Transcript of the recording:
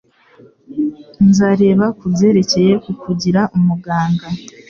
Nzareba kubyerekeye kukugira umuganga